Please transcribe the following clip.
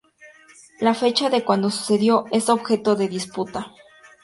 La fecha de cuando sucedió es objeto de disputa.